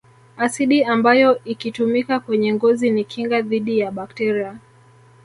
Asidi ambayo ikitumika kwenye ngozi ni kinga dhidi ya bakteria